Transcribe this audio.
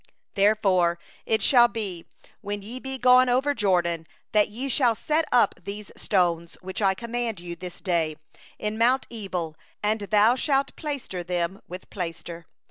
4And it shall be when ye are passed over the Jordan, that ye shall set up these stones, which I command you this day, in mount Ebal, and thou shalt plaster them with plaster.